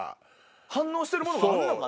反応してるものがあるのかな？